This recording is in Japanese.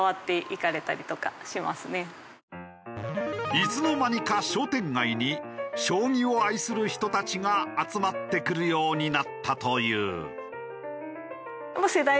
いつの間にか商店街に将棋を愛する人たちが集まってくるようになったという。